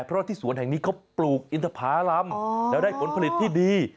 เพราะว่าที่สวนแห่งนี้เขาปลูกอินทภารำแล้วได้ผลผลิตที่ดี